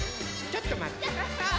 ちょっとまって。